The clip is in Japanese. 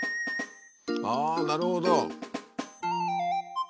ああなるほど。